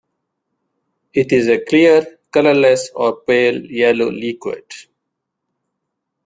It is a clear, colourless or pale yellow liquid.